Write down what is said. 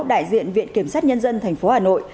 đại diện viện kiểm sát nhân dân tp hà nội